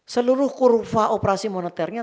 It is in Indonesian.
seluruh kurva operasi moneternya